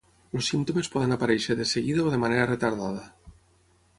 Els símptomes poden aparèixer de seguida o de manera retardada.